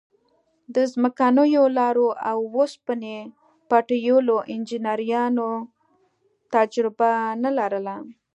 د ځمکنیو لارو او اوسپنې پټلیو انجنیرانو تجربه نه لرله.